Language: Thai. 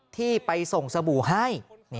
ที่ไปส่งสบู่ให้